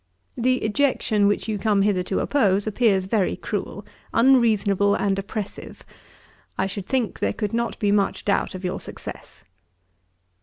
'The ejection which you come hither to oppose, appears very cruel, unreasonable, and oppressive. I should think there could not be much doubt of your success.